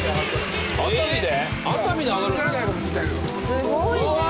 すごいね。